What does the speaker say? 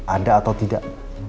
ada atau tidak